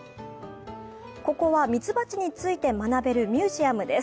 ここはミツバチについて学べるミュージアムです。